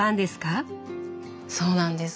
そうなんです。